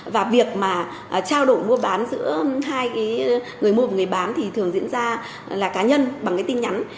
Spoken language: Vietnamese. và việc mà trao đổi mua bán giữa hai người mua và người bán thì thường diễn ra là cá nhân bằng cái tin nhắn